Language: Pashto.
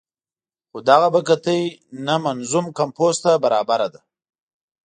خو دغه بګتۍ نه منظوم کمپوز ته برابره ده.